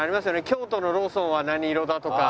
京都のローソンは何色だとか。